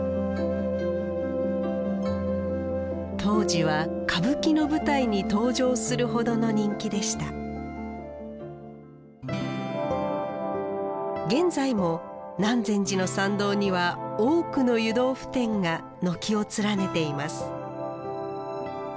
当時は歌舞伎の舞台に登場するほどの人気でした現在も南禅寺の参道には多くの湯豆腐店が軒を連ねています